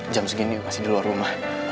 jam segini pasti di luar rumah